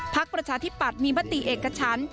ภาคประชาชินิปัตย์มีมติเอกชั้น